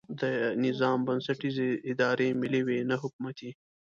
د نظام بنسټیزې ادارې ملي وي نه حکومتي.